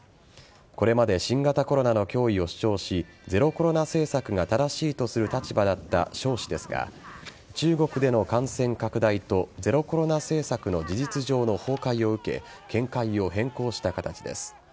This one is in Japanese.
これまで新型コロナの脅威を主張しゼロコロナ政策が正しいとする立場だったショウ氏ですが中国での感染拡大とゼロコロナ政策の事実上の崩壊を受け見解を変更した形です。